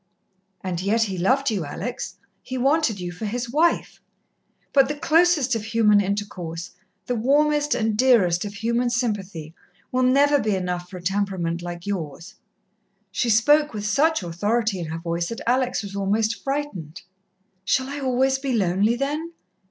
"And yet he loved you, Alex he wanted you for his wife. But the closest of human intercourse, the warmest and dearest of human sympathy, will never be enough for a temperament like yours." She spoke with such authority in her voice that Alex was almost frightened. "Shall I always be lonely, then?"